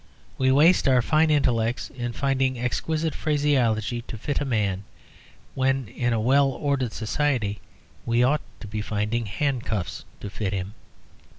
We waste our fine intellects in finding exquisite phraseology to fit a man, when in a well ordered society we ought to be finding handcuffs to fit him.